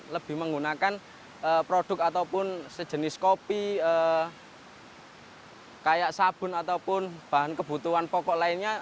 lebih menggunakan produk ataupun sejenis kopi kayak sabun ataupun bahan kebutuhan pokok lainnya